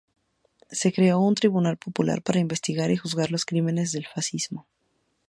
Se creó un Tribunal Popular para investigar y juzgar los crímenes del fascismo.